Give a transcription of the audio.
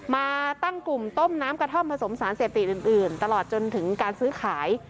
มาตั้งกลุ่มต้มน้ำกระท่อมผสมสารเสพติดอื่นตลอดจนถึงการซื้อขาย